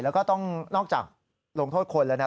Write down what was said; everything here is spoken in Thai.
แล้วก็ต้องนอกจากลงโทษคนแล้วนะ